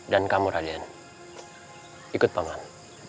dan kamu raden ikut paman